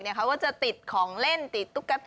เขาก็จะติดของเล่นติดตุ๊ก